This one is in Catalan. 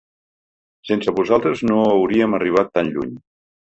Sense vosaltres no hauríem arribat tan lluny.